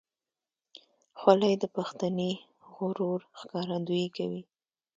خولۍ د پښتني غرور ښکارندویي کوي.